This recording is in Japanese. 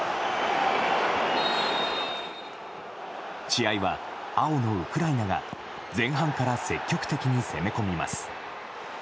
試合は、青のウクライナが前半から積極的に攻め込みます。